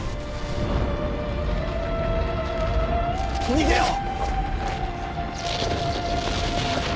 逃げよう！